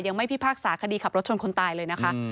พิพากษาคดีขับรถชนคนตายเลยนะคะ